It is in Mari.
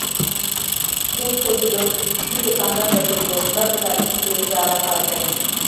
Кушто тудын шӱдӧ кандашле теҥге оксаже да ик кленча аракаже?